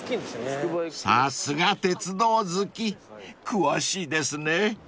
［さすが鉄道好き詳しいですね］